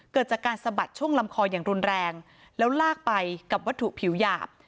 เกิดจากการสะบัดช่วงลำคออย่างรุนแรงแล้วลากไปกับวัตถุผิวหยาบ